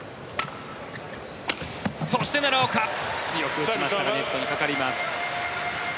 そして、奈良岡強く打ちましたがネットにかかります。